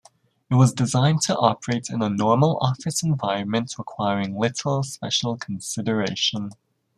It was designed to operate in a normal office environment, requiring little special consideration.